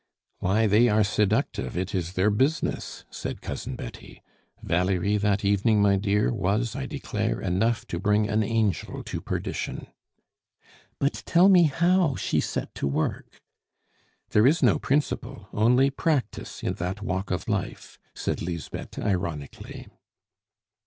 "Why, they are seductive; it is their business," said Cousin Betty. "Valerie that evening, my dear, was, I declare, enough to bring an angel to perdition." "But tell me how she set to work." "There is no principle, only practice in that walk of life," said Lisbeth ironically.